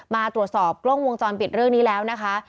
มาตรวจสอบกล้องวงจรปิดเรื่องนี้แล้วนะคะ